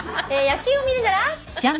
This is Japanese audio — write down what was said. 「野球を観るなら」？